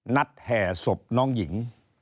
แห่ศพน้องหญิง